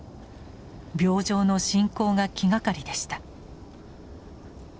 病状の進行が気がかりでした。